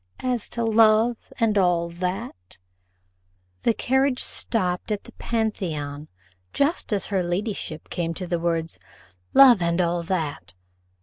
As to love and all that " The carriage stopped at the Pantheon just as her ladyship came to the words "love and all that."